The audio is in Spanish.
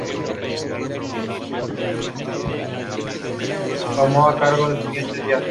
Su entorno es rural, y el grado de urbanización y de ocupación son bajos.